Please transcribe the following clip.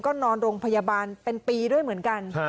ก็นอนโรงพยาบาลเป็นปีด้วยเหมือนกัน